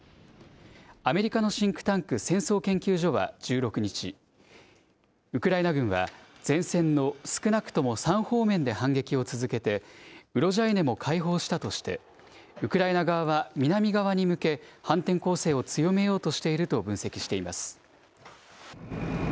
アメリカのシンクタンク戦争研究所は１６日、ウクライナ軍は、前線の少なくとも３方面で反撃を続けて、ウロジャイネも解放したとして、ウクライナ側は南側に向け、反転攻勢を強めようとしていると分析しています。